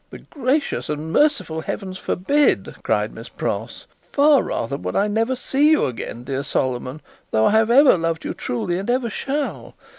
"The gracious and merciful Heavens forbid!" cried Miss Pross. "Far rather would I never see you again, dear Solomon, though I have ever loved you truly, and ever shall.